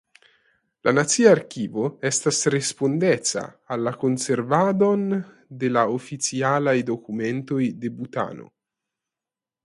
La nacia arkivo estas respondeca al la konservadon de la oficialaj dokumentoj de Butano.